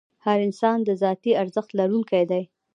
هر انسان د ذاتي ارزښت لرونکی دی.